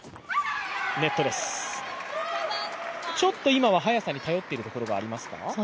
ちょっと今は速さに頼ってるところがありますか？